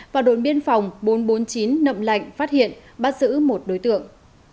và đồn biên phòng bốn trăm bốn mươi chín nậm lạnh phát hiện bắt giữ một đối tượng